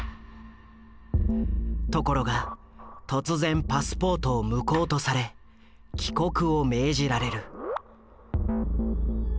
ところが突然パスポートを無効とされ帰国を命じられる。